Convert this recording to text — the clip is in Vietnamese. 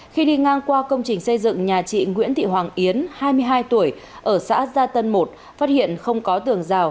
khi đi ngang qua công trình xây dựng nhà chị nguyễn thị hoàng yến hai mươi hai tuổi ở xã gia tân một phát hiện không có tường rào